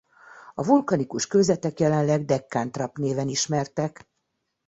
A vulkanikus kőzetek jelenleg Dekkán-trapp néven ismertek.